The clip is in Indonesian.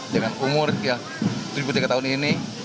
dengan umur yang tujuh puluh tiga tahun ini